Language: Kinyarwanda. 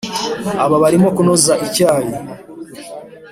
Aba barimokunoza icyayi